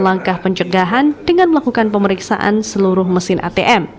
langkah pencegahan dengan melakukan pemeriksaan seluruh mesin atm